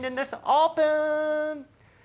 オープン！